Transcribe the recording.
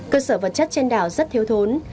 cơ sở vật chất trên đảo rất thiếu thốn